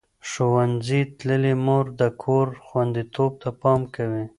ښوونځې تللې مور د کور خوندیتوب ته پام کوي.